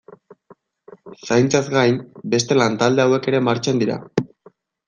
Zaintzaz gain, beste lantalde hauek ere martxan dira.